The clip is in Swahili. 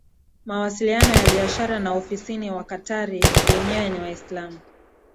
mawasiliano ya biashara na ofisini Waqatari wenyewe ni Waislamu